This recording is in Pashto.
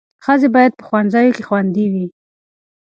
ښځې باید په ښوونځیو کې خوندي وي.